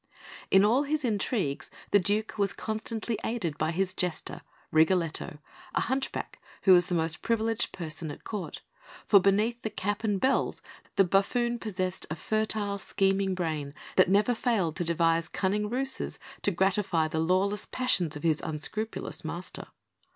In all his intrigues the Duke was constantly aided by his Jester, Rigoletto, a hunchback, who was the most privileged person at Court; for, beneath the cap and bells, the buffoon possessed a fertile, scheming brain that never failed to devise cunning ruses to gratify the lawless passions of his unscrupulous master.